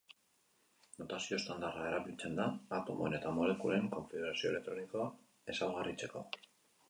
Notazio estandarra erabiltzen da atomoen eta molekulen konfigurazio elektronikoa ezaugarritzeko.